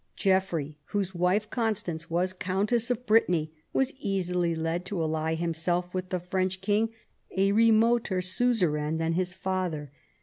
Geoffrey, w T hose wife Constance was countess of Brittany, was easily led to ally himself with the French king, a remoter suzerain than his father.